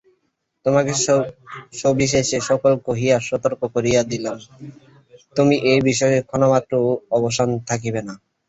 তোমাকে সবিশেষ সকল কহিয়া সতর্ক করিয়া দিলাম তুমি এ বিষয়ে ক্ষণমাত্রও অসাবধান থাকিবে না।